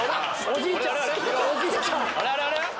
おじいちゃんや！